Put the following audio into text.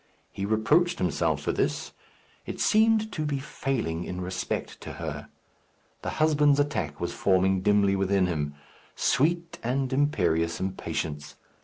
He reproached himself for this. It seemed to be failing in respect to her. The husband's attack was forming dimly within him. Sweet and imperious impatience!